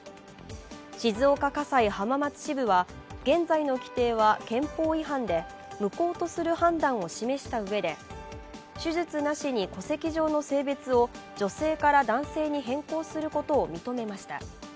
静岡家裁・浜松支部は、現在の規定は憲法違反で無効とする判断を示したうえで手術なしに戸籍上の性別を女性から男性に変更することを認めました。